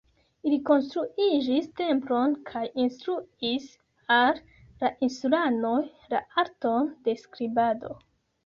Ili konstruigis templon kaj instruis al la insulanoj la arton de skribado.